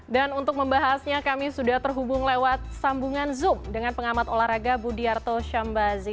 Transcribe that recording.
dan untuk membahasnya kami sudah terhubung lewat sambungan zoom dengan pengamat olahraga budiarto syambazi